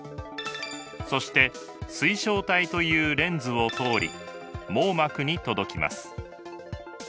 そして水晶体というレンズを通り網膜に届きます。